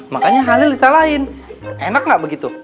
makanya halil disalahin enak nggak begitu